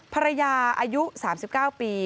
ภรรยาอายุ๓๙ปี